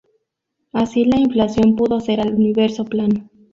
Así la inflación pudo hacer al universo plano.